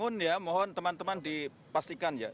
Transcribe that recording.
mohon ya mohon teman teman dipastikan ya